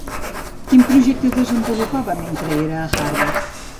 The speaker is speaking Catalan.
Quin projecte desenvolupava mentre era a Harvard?